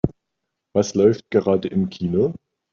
Was läuft gerade im Kino?